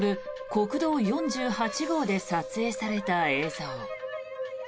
国道４８号で撮影された映像。